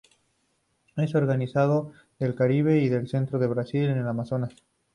Es originario del Caribe y del centro de Brasil en el Amazonas.